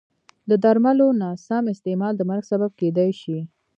د درملو نه سم استعمال د مرګ سبب کېدای شي.